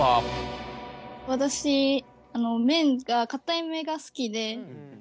私麺がかためが好きで。